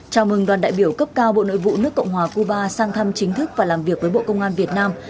chào mừng đoàn đại biểu cấp cao bộ nội vụ nước cộng hòa cuba sang thăm chính thức và làm việc với bộ công an việt nam